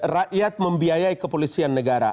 rakyat membiayai kepolisian negara